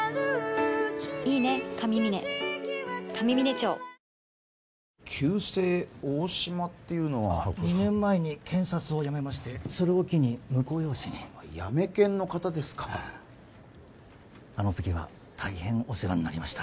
今旧姓大島っていうのは２年前に検察をやめましてそれを機に婿養子にヤメ検の方ですかあの時は大変お世話になりました